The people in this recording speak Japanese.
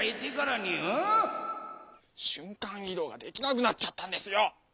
瞬間移動ができなくなっちゃったんですよ。